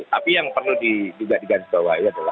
tapi yang perlu diganti ganti bawah itu adalah